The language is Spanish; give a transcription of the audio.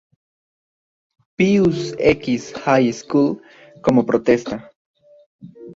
Pius X High School como protesta.